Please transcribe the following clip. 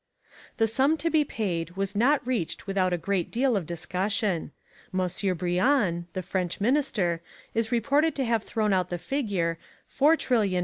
The sum to be paid was not reached without a great deal of discussion. Monsieur Briand, the French Minister, is reported to have thrown out the figure 4,281,390,687,471.